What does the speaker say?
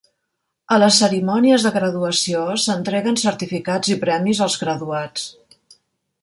A les cerimònies de graduació s'entreguen certificats i premis als graduats.